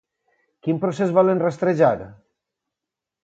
Quin procés volen rastrejar?